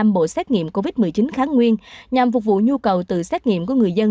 năm bộ xét nghiệm covid một mươi chín kháng nguyên nhằm phục vụ nhu cầu từ xét nghiệm của người dân